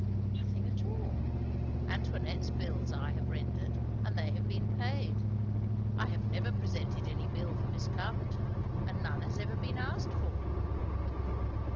"Nothing at all. Antoinette's bills I have rendered, and they have been paid. I have never presented any bill for Miss Carpenter, and none has ever been asked for."